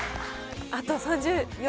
あと３０秒。